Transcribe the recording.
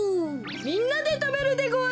みんなでたべるでごわす！